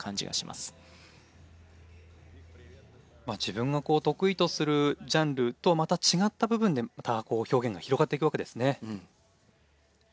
まあ自分が得意とするジャンルとまた違った部分でまた表現が広がっていくわけですね。